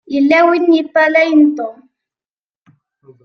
Yella win i yeṭṭalayen Tom.